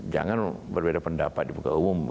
jangan berbeda pendapat di buka umum